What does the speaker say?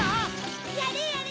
やれやれ！